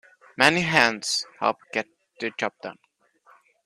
Many hands help get the job done.